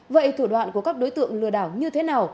vậy thủ đoạn của các đối tượng lừa đảo như thế nào